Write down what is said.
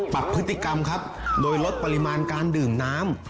ปรับพฤติกรรมครับโดยลดปริมาณการดื่มน้ำ